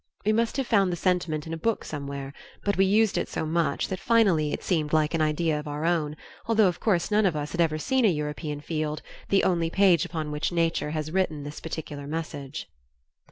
We must have found the sentiment in a book somewhere, but we used it so much it finally seemed like an idea of our own, although of course none of us had ever seen a European field, the only page upon which Nature has written this particular message.